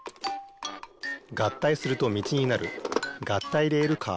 合体するとみちになる合体レールカー。